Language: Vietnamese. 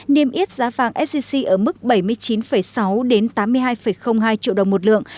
niêm yết giá vàng sgc ở mức bảy mươi chín sáu đến tám mươi hai hai triệu đồng một lượng